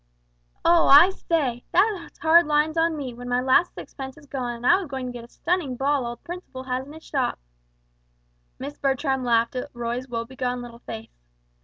"Oh, I say! that's hard lines on me, when my last sixpence has gone, and I was going to get a stunning ball old Principle has in his shop!" Miss Bertram laughed at Roy's woe begone little face.